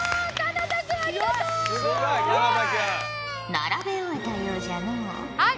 並べ終えたようじゃのう。